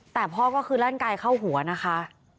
แต่พ่อก็คือร่างกายเข้าหัวนะคะ